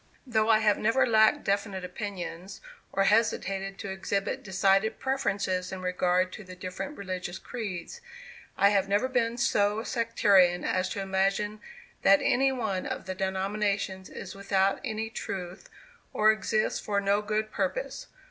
Though I have never lacked definite opinions, or hesitated to exhibit decided preferences in regard to the different religious creeds, I have never been so sectarian as to imagine that any one of the denominations is without any truth, or exists for no good purpose.